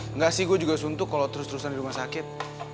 enggak sih gue juga suntuk kalau terus terusan di rumah sakit